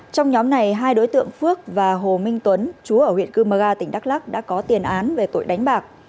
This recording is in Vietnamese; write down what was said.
trong nhóm này hai đối tượng phước và hồ minh tuấn chú ở huyện cư mơ ga tỉnh đắk lắc đã có tiền án về tội đánh bạc